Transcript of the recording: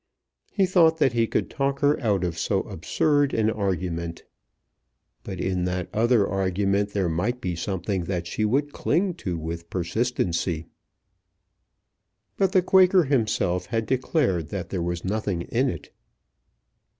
He thought that he could talk her out of so absurd an argument. But in that other argument there might be something that she would cling to with persistency. But the Quaker himself had declared that there was nothing in it.